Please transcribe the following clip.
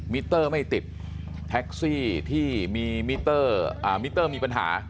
มิเตอร์ไม่ติดแท็กซี่ที่มีมิเตอร์มิเตอร์มีปัญหา